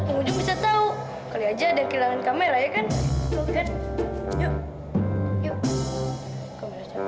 penghujung bisa tahu kali aja dan kilang kamera ya kan yuk yuk